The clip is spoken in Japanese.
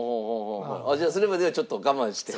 じゃあそれまではちょっと我慢して？